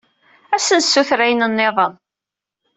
Ad as-nessuter ayen nniḍen.